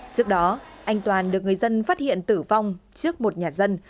trước đó anh toàn được người dân phát hiện tử vong trước một nhà dân